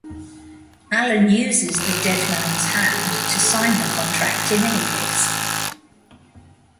Alan uses the dead mans hand to sign the contract in any case.